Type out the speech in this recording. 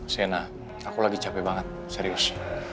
sena aku lagi capek banget serius